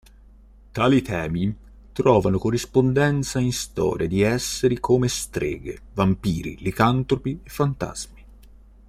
Tali temi trovavano corrispondenza in storie di esseri come streghe, vampiri, licantropi e fantasmi.